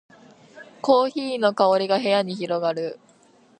コーヒーの香りが部屋に広がる